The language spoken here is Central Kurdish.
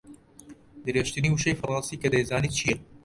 درێژترین وشەی فەڕەنسی کە دەیزانیت چییە؟